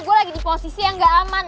gue lagi di posisi yang gak aman